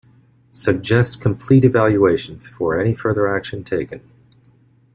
Suggest complete evaluation before any further action taken.